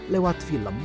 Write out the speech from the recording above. lewat film dan film